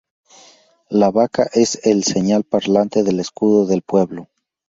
La vaca es el señal parlante del escudo del pueblo.